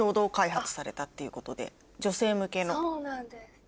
そうなんです。